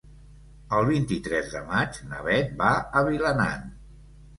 El vint-i-tres de maig na Bet va a Vilanant.